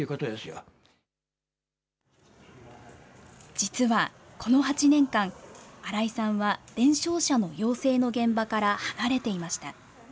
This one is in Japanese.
実はこの８年間、新井さんは伝承者の養成の現場から離れていました。